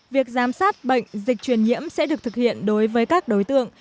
việc giám sát bệnh dịch truyền nhiễm sẽ được thực hiện đối với các đối tượng